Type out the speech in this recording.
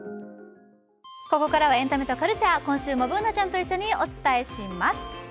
ここからはエンタメとカルチャー、今週もＢｏｏｎａちゃんと一緒にお伝えします。